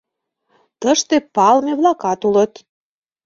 Тыште палыме-влакат улыт.